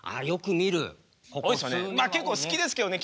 まあ結構好きですけどね。